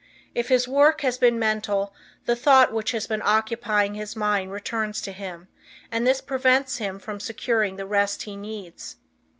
If his work has been mental, the thought which has been occupying his mind returns to him and this prevents him from securing the rest he needs.